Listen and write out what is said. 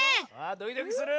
ドキドキする！